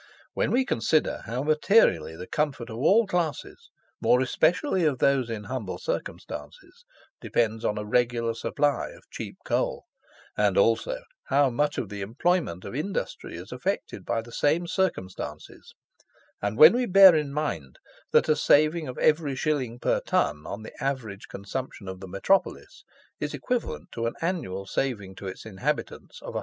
When we consider how materially the comfort of all classes, more especially of those in humble circumstances, depends on a regular supply of cheap coal, and also how much the employment of industry is affected by the same circumstances, and when we bear in mind that a saving of every shilling per ton on the average consumption of the Metropolis is equivalent to an annual saving to its inhabitants of 150,000_l.